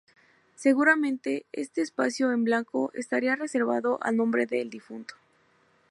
Seguramente este espacio en blanco estaría reservado al nombre del difunto.